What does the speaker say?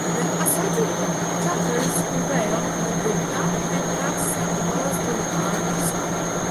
The assorted truckers prevail, and the Duck handcuffs Wallace to a bar stool.